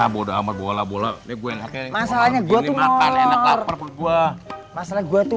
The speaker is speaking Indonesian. boda amat bola bola gue enak masalahnya gua tuh ngomong enak laper gua masalah gua tuh